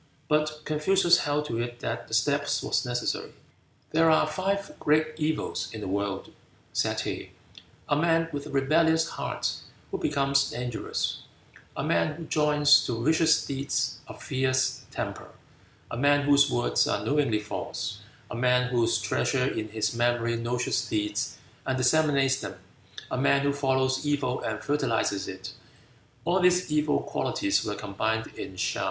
But Confucius held to it that the step was necessary. "There are five great evils in the world," said he: "a man with a rebellious heart who becomes dangerous; a man who joins to vicious deeds a fierce temper; a man whose words are knowingly false; a man who treasures in his memory noxious deeds and disseminates them; a man who follows evil and fertilizes it. All these evil qualities were combined in Shaou.